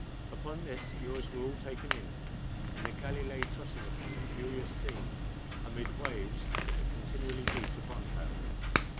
Upon this the oars were all taken in, and the galley lay tossing upon the furious sea, amid waves that continually beat upon her.